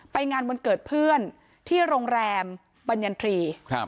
ไปงานวันเกิดเพื่อนที่โรงแรมบรรยันทรี